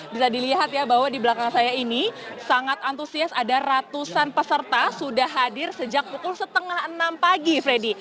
bisa dilihat ya bahwa di belakang saya ini sangat antusias ada ratusan peserta sudah hadir sejak pukul setengah enam pagi freddy